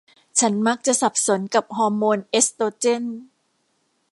ฉันมักจะสับสนกับฮอร์โมนเอสโตรเจน